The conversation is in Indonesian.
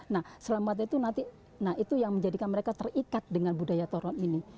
nah selamat itu nanti nah itu yang menjadikan mereka terikat dengan budaya toron ini